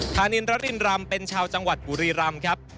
ธานินรรินรำเป็นชาวจังหวัดบุรีรำครับ